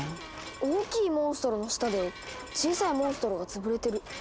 大きいモンストロの下で小さいモンストロが潰れてる。